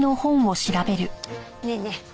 ねえねえ